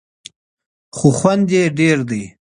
خو خوند یې ډېر دی.